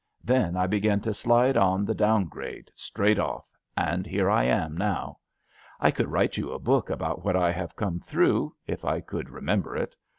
Then I began to slide on the down grade straight off, and here I am now. I could write you a book about what I have come through, if I could remember it.